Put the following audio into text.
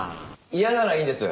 嫌ならいいんです。